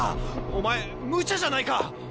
お前むちゃじゃないか！